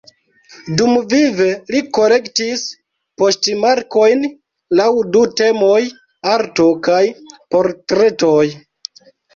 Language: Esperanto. Dumvive li kolektis poŝtmarkojn laŭ du temoj: ""Arto"" kaj ""Portretoj"".